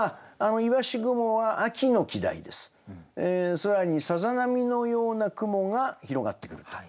空にさざ波のような雲が広がってくると。